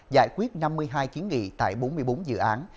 giải quyết năm mươi hai kiến nghị tại bốn mươi bốn dự án